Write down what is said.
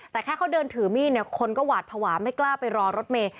แต่แค่เขาเดินถือมีดคนก็หวาดผวาไม่กล้าไปรอรถเมฆ